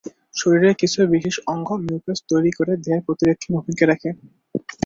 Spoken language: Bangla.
শরীরের কিছু বিশেষ অঙ্গ মিউকাস তৈরি করে দেহের প্রতিরক্ষায় ভূমিকা রাখে।